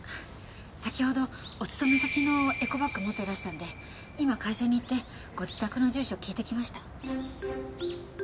先ほどお勤め先のエコバッグ持っていらしたので今会社に行ってご自宅の住所聞いてきました。